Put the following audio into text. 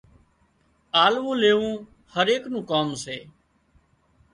آللون ليوون هر ايڪ نُون ڪام سي